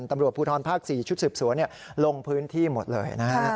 ตำรวจภูทรภาค๔ชุดสืบสวนลงพื้นที่หมดเลยนะฮะ